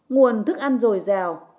nguồn thức ăn dồi dào